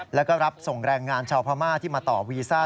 แล้วก็รับส่งแรงงานชาวพม่าที่มาต่อวีซ่า